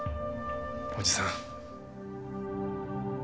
おじさん。